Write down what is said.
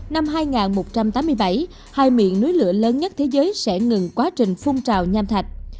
năm hai nghìn một trăm tám mươi bảy hai miền núi lửa lớn nhất thế giới sẽ ngừng quá trình phong trào nham thạch